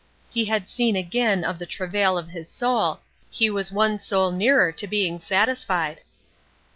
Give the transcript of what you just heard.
He had seen again of the travail of his soul, he was one soul nearer to being satisfied.